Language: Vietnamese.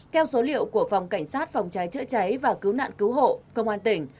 theo số liệu của phòng cảnh sát phòng cháy chữa cháy và cứu nạn cứu hộ công an tỉnh